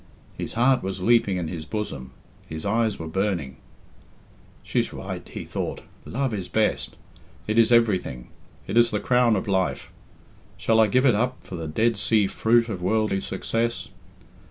His heart was leaping in his bosom; his eyes were burning. "She's right," he thought. "Love is best. It is everything. It is the crown of life. Shall I give it up for the Dead Sea fruit of worldly success?